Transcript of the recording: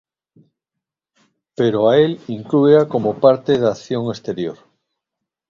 Pero a el inclúea como parte da acción exterior.